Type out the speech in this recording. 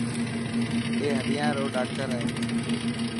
اي هڏيان رو ڊاڪٽر هي.